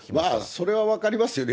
それは分かりますよね。